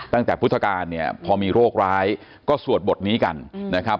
ตั้งแต่พุทธกาลเนี่ยพอมีโรคร้ายก็สวดบทนี้กันนะครับ